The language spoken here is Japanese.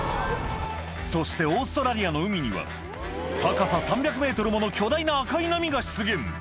そしてオーストラリアの海には、高さ３００メートルもの巨大な赤い波が出現。